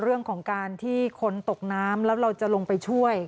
เรื่องของการที่คนตกน้ำแล้วเราจะลงไปช่วย